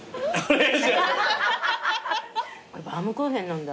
これバウムクーヘンなんだ。